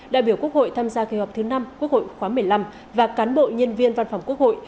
đại biểu quốc hội tham gia kỳ họp thứ năm quốc hội khóa một mươi năm và cán bộ nhân viên văn phòng quốc hội